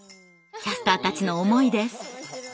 キャスターたちの思いです。